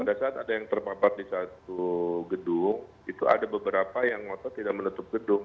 pada saat ada yang terpapar di satu gedung itu ada beberapa yang ngotot tidak menutup gedung